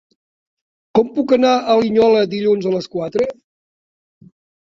Com puc anar a Linyola dilluns a les quatre?